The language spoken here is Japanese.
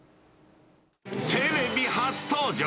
テレビ初登場。